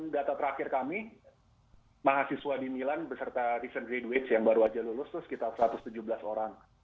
data terakhir kami mahasiswa di milan beserta reason graduage yang baru saja lulus itu sekitar satu ratus tujuh belas orang